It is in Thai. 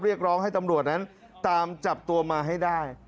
เรียกร้องให้ตำรวจนั้นตามจับตัวมาให้ได้